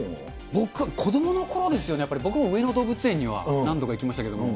僕は子どものころですよね、僕も上野動物園には何度か行きましたけども。